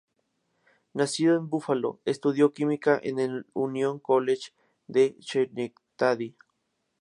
Nacido en Buffalo, estudió química en el Union College de Schenectady.